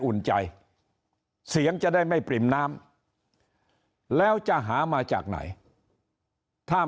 อุ่นใจเสียงจะได้ไม่ปริ่มน้ำแล้วจะหามาจากไหนถ้า